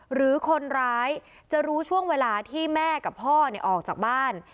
หรือคนร้ายจะรู้ช่วงเวลาที่แม่กับพ่อออกจากบ้าน